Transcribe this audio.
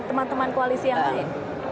teman teman koalisi yang lain